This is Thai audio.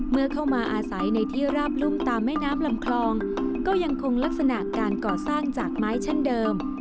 เมื่อเข้ามาอาศัยในที่ราบรุ่มตามแม่น้ำลำคลองก็ยังคงลักษณะการก่อสร้างจากไม้เช่นเดิม